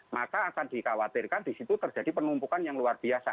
maka akan dikhawatirkan di situ terjadi penumpukan yang luar biasa